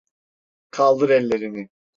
Kaldır ellerini!